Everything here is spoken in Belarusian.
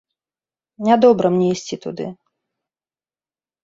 Нядобра мне ісці туды.